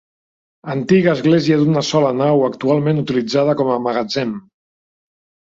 Antiga església d'una sola nau actualment utilitzada com a magatzem.